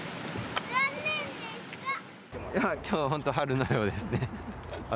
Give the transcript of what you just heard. きょうは本当、春のようですね